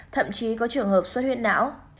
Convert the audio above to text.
thậm chí có trường hợp suất huyện não